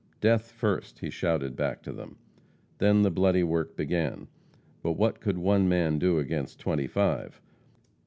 death first," he shouted back to them. Then the bloody work began. But what could one man do against twenty five?